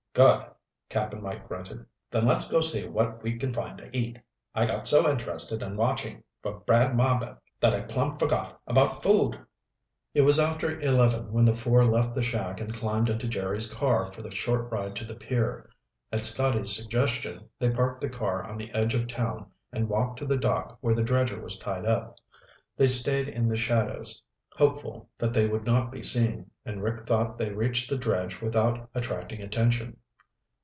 "Good," Cap'n Mike grunted. "Then let's go see what we can find to eat. I got so interested in watching for Brad Marbek that I plumb forgot about food." It was after eleven when the four left the shack and climbed into Jerry's car for the short ride to the pier. At Scotty's suggestion, they parked the car on the edge of town and walked to the dock where the dredger was tied up. They stayed in the shadows, hopeful that they would not be seen, and Rick thought they reached the dredge without attracting attention.